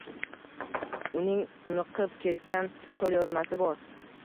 Uning uniqib ketgan qoʻlyozmasi bor.